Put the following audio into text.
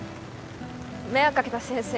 迷惑かけた先生